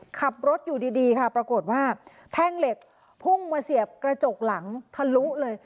ขับรถอยู่ดีค่ะปรากฏว่าแท่งเหล็กพุ่งมาเสียบกระจกหลังทะลุเลย